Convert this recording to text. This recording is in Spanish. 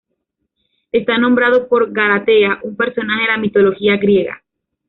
Está nombrado por Galatea, un personaje de la mitología griega.